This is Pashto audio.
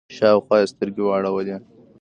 شاوخوا يې سترګې واړولې.